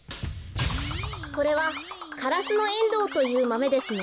これはカラスノエンドウというマメですね。